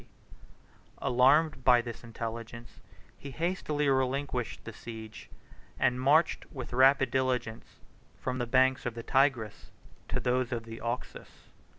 67 Alarmed by this intelligence, he hastily relinquished the siege, and marched with rapid diligence from the banks of the Tigris to those of the Oxus.